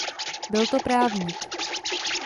Byl to právník.